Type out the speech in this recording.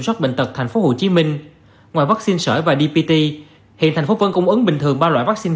soát bệnh tật tp hcm ngoài vaccine sở ý và dbt hiện tp hcm cũng ứng bình thường ba loại vaccine